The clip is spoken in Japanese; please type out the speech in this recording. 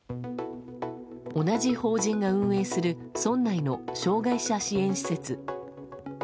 同じ法人が運営する村内の障害者支援施設。